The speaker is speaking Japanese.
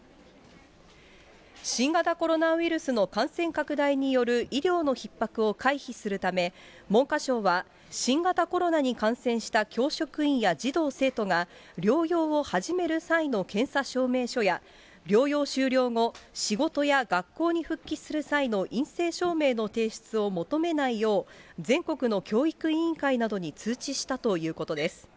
新型コロナウイルスの感染拡大による医療のひっ迫を回避するため、文科省は、新型コロナに感染した教職員や児童・生徒が療養を始める際の検査証明書や、療養終了後、仕事や学校に復帰する際の陰性証明の提出を求めないよう、全国の教育委員会などに通知したということです。